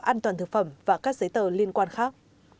an toàn thực phẩm và các giấy tờ liên quan khác